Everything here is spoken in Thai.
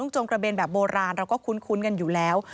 จงกระเบนแบบโบราณเราก็คุ้นกันอยู่แล้ว